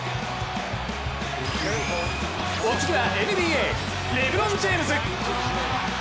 お次はＮＢＡレブロン・ジェームズ！